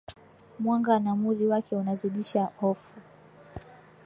mwanga na muli wake unazidisha hofu